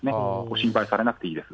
心配されなくていいです。